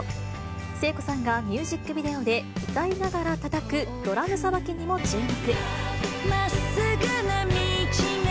聖子さんがミュージックビデオで歌いながらたたくドラムさばきにも注目。